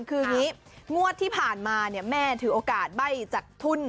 คือนี้มวดที่ผ่านมาเนี่ยแม่ถือโอกาสใบ่จากคุน